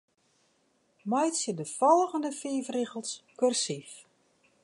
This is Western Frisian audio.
Meitsje de folgjende fiif rigels kursyf.